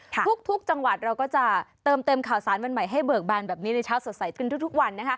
ทุกจังหวัดเราก็จะเติมเต็มข่าวสารวันใหม่ให้เบิกบานแบบนี้ในเช้าสดใสขึ้นทุกวัน